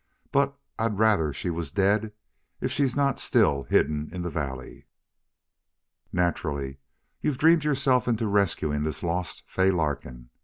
But I'd rather she was dead if she's not still hidden in the valley." "Naturally. You've dreamed yourself into rescuing this lost Fay Larkin....